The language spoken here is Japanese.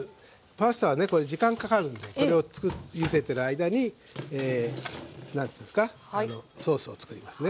パスタはねこれ時間かかるんでこれをゆでてる間に何ていうんですかソースをつくりますね。